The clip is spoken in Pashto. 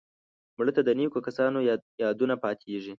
مړه ته د نیکو کسانو یادونه پاتېږي